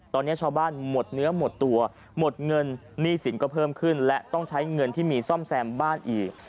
ตอนนี้ชาวบ้านหมดเนื้อหมดตัวหมดเงินหนี้สินก็เพิ่มขึ้นและต้องใช้เงินที่มีซ่อมแซมบ้านอีก